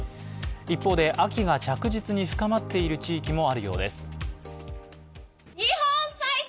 一方で秋が着実に深まっている地域もあるようです。